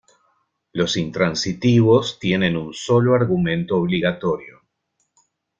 Los intransitivos tienen un solo argumento obligatorio.